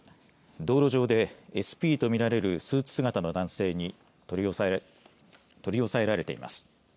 道路上でＳＰと見られるスーツ姿の男性に取り押さえられています。